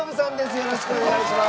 よろしくお願いします。